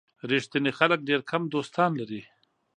ریښتیني خلک ډېر کم دوستان لري.